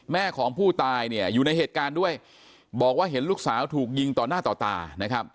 แม่ของผู้ตายเนี่ยอยู่ในเหตุการณ์ด้วยบอกว่าเห็นลูกสาวถูกยิงต่อหน้าต่อตานะครับ